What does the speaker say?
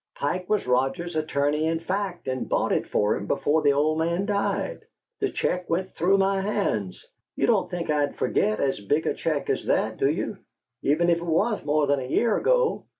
Pike was Roger's attorney in fact and bought it for him before the old man died. The check went through my hands. You don't think I'd forget as big a check as that, do you, even if it was more than a year ago?